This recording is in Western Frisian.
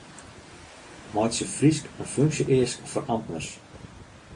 Meitsje Frysk in funksje-eask foar amtners.